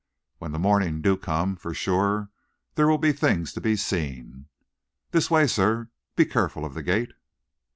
When the morning do come, for sure there will be things to be seen. This way, sir. Be careful of the gate."